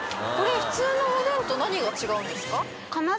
これ普通のおでんと何が違うんですか？